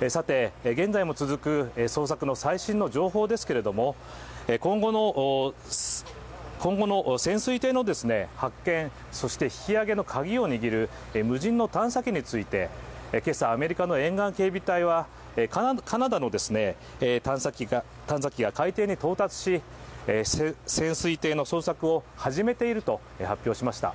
現在も続く捜索の最新の情報ですけれども、今後の潜水艇の発見そして引き揚げのカギを握る無人の探査機について今朝アメリカの沿岸警備隊は、カナダの探索機が海底に到達し、潜水艇の捜索を始めていると発表しました。